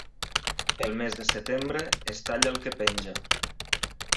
Pel mes de setembre, es talla el que penja.